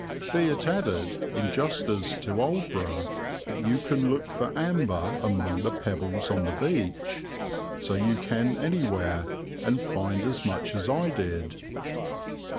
Be it added, in justice to Aldeburgh, that you can look for amber among the pebbles on the beach. So you can anywhere and find as much as I did.